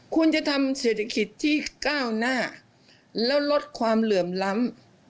คุณจะทำเศรษฐกิจที่ก้าวหน้าแล้วลดความเหลื่อมล้ำ